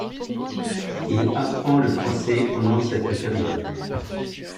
Il apprend le français pendant cette période.